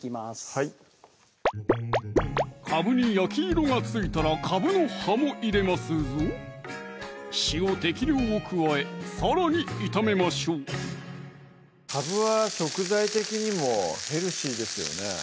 はいかぶに焼き色がついたらかぶの葉も入れますぞ塩適量を加えさらに炒めましょうかぶは食材的にもヘルシーですよね